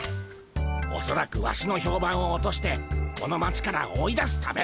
おそらくワシの評判を落としてこの町から追い出すため。